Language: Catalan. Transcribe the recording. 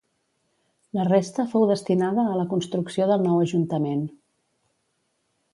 La resta fou destinada a la construcció del nou ajuntament.